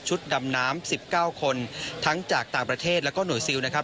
ดำน้ำ๑๙คนทั้งจากต่างประเทศแล้วก็หน่วยซิลนะครับ